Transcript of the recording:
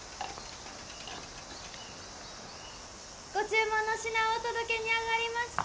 ご注文の品をお届けにあがりました。